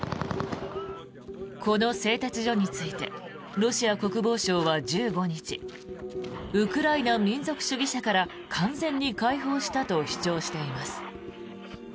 この製鉄所についてロシア国防省は１５日ウクライナ民族主義者から完全に解放したと主張しています。